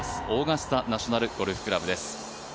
オーガスタ・ナショナル・ゴルフクラブです。